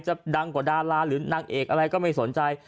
ดังกว่าดาราหรือนางเอกอะไรก็ไม่สนใจ